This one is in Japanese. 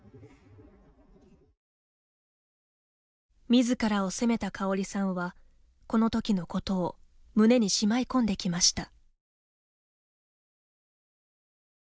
自らを責めたカオリさんはこのときのことを胸にしまい込んできました。